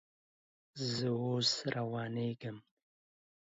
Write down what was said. زه اوس روانېږم